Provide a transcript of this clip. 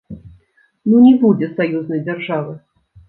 Ну не будзе саюзнай дзяржавы!